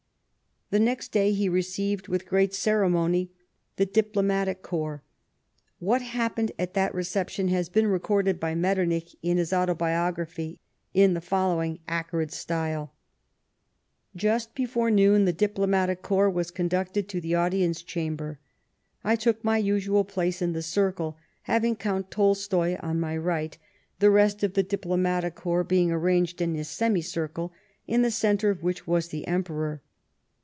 The next day he received, with great ceremony, the diplomatic corps. What happened at that reception has been recorded by Metternich in his Autobiography in the following acrid style :" Just before noon the diplomatic corps was conducted to the audience chamber. I took my usual place in the circle, having Count Tolstoy on my right, the rest of the diplomatic corps being arranged in a semicircle, in the centre of which was the Emperor.